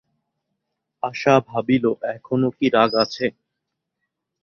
আশা ভাবিল, এখনো কি রাগ আছে।